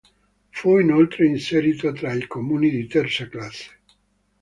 Fu inoltre inserito tra i comuni di terza classe.